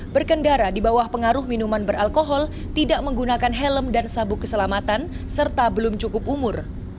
berkendara di bawah pengaruh minuman beralkohol tidak menggunakan helm dan sabuk keselamatan serta belum cukup umur